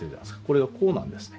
これをこうなんですね。